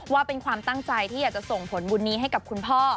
ว่าเป็นความตั้งใจที่อยากจะส่งผลบุญนี้ให้กับคุณพ่อ